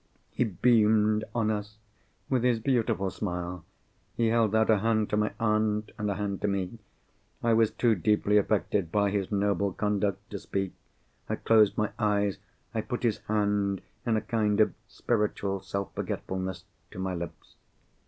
He beamed on us with his beautiful smile; he held out a hand to my aunt, and a hand to me. I was too deeply affected by his noble conduct to speak. I closed my eyes; I put his hand, in a kind of spiritual self forgetfulness, to my lips.